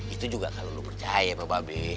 itu juga kalau lo percaya mba be